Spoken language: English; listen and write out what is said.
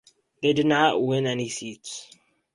They did not win any seats.